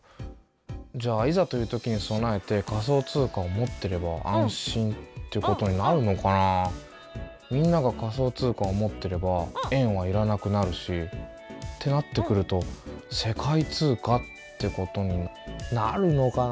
じゃあいざというときに備えて仮想通貨を持ってれば安心ってことになるのかな。みんなが仮想通貨を持ってれば円はいらなくなるしってなってくると世界通貨ってことになるのかな？